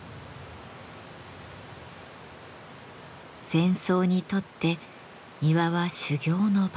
禅僧にとって庭は修行の場。